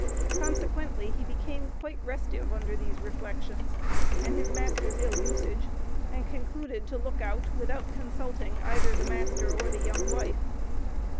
Consequently he became quite restive under these reflections and his master's ill usage, and concluded to "look out," without consulting either the master or the young wife.